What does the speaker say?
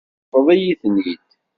Teṭṭfeḍ-iyi-ten-id.